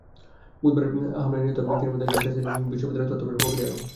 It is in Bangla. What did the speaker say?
বুধবারের হামলায় নিহত ব্যক্তিদের একজন ছিলেন বাচা খান বিশ্ববিদ্যালয়ের তত্ত্বাবধায়ক ফখর-ই আলম।